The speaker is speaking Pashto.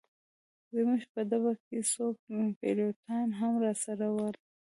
زموږ په ډبه کي څو پیلوټان هم راسره ول.